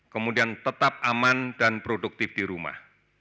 kemudian tetap aman dan produktif di rumah